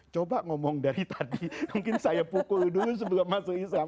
coba ngomong dari tadi mungkin saya pukul dulu sebelum masuk islam